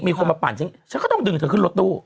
มีคนมาปั่นฉันฉันก็ต้องดึงเธอขึ้นรถตู้